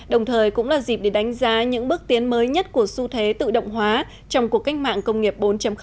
đồng thời cũng là dịp để đánh giá những bước tiến mới nhất của xu thế tự động hóa trong cuộc cách mạng công nghiệp bốn